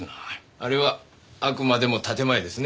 あれはあくまでも建前ですね？